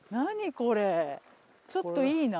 これちょっといいな。